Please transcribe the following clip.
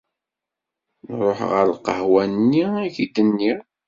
Nruḥ ɣer lqahwa-nni i k-d-nniɣ.